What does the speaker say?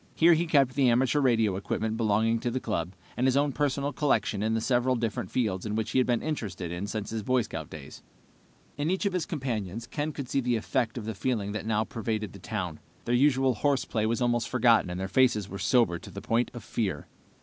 Here he kept the amateur radio equipment belonging to the club, and his own personal collections in the several different fields in which he had been interested since his Boy Scout days. In each of his companions, Ken could see the effect of the feeling that now pervaded the town. Their usual horseplay was almost forgotten, and their faces were sober to the point of fear.